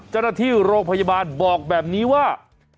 เจ้าหน้าที่โรงพยาบาลบอกแบบนี้ว่า